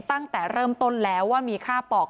ตั้งแต่เริ่มต้นแล้วว่ามีค่าปอก